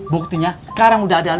berdasarkan nama palm